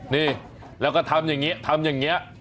นี่แล้วก็ทำอย่างนี้ทำอย่างนี้